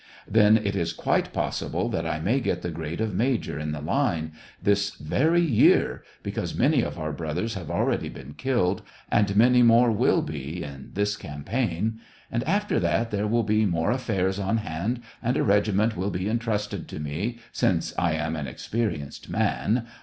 Then it is quite possible that I may get the grade of major in the line, this very year, because many of our brothers have already been killed, and many more will be in this campaign. And after that there will be more affairs on hand, and a regiment will be entrusted to me, since I am an experienced man